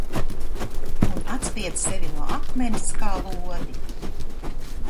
Un atspied sevi no akmens kā lodi!